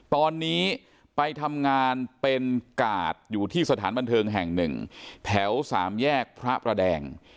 ตอนนี้ไปทำงานเป็นกาดอยู่ที่สถานบันเทิงแห่งหนึ่งแถวสามแยกพระประแดง